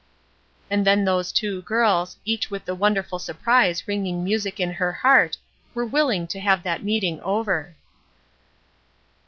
And then those two girls, each with the wonderful surprise ringing music in her heart, were willing to have that meeting over.